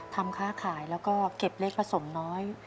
ค้าขายแล้วก็เก็บเลขผสมน้อย